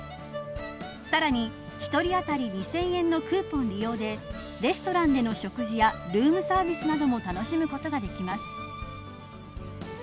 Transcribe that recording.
さらに、１人あたり２０００円のクーポン利用でレストランでの食事やルームサービスなども楽しむことができます。